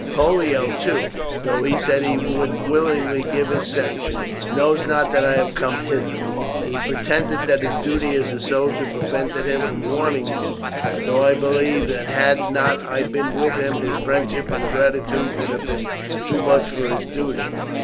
Pollio, too, though he said he would willingly give his sanction, knows not that I have come hither. He pretended that his duty as a soldier prevented him from warning you, though I believe that had not I been with him his friendship and gratitude would have been too much for his duty.